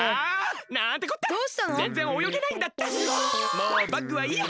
もうバッグはいいや！